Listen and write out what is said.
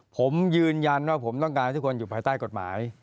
ผมยืนยันว่าผมต้องการให้ทุกคนอยู่ภายใต้กฎหมาย